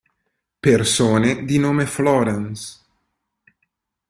Persone di nome Florence